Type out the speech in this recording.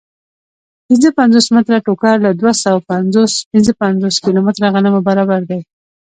پنځه پنځوس متره ټوکر له دوه سوه پنځه پنځوس کیلو غنمو برابر دی